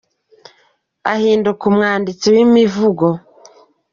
ahinduka umwanditsi w’imivugo.